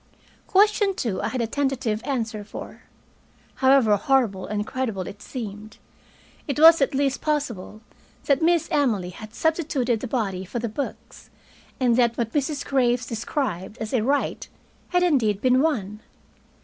Question two I had a tentative answer for. However horrible and incredible it seemed, it was at least possible that Miss Emily had substituted the body for the books, and that what Mrs. Graves described as a rite had indeed been one.